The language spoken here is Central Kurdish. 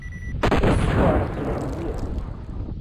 ئهی سووارهکهی جوندییه